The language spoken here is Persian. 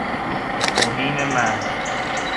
توهین محض